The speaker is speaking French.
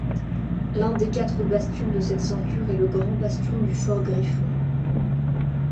L'un des quatre bastions de cette ceinture est le grand bastion du fort Griffon.